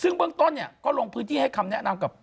ซึ่งเบื้องต้นเนี่ยก็ลงพื้นที่ให้คำแนะนำกับ